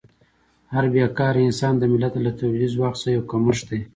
هر بېکاره انسان د ملت له تولیدي ځواک څخه یو کمښت دی.